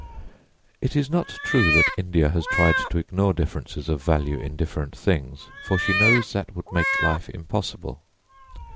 It is not true that India has tried to ignore differences of value in different things, for she knows that would make life impossible.